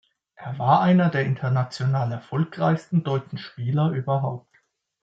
Er war einer der international erfolgreichsten deutschen Spieler überhaupt.